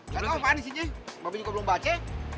gak tau apaan di sini mbak be juga belum baca